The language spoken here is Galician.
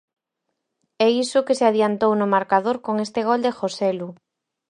E iso que se adiantou no marcador con este gol de Joselu.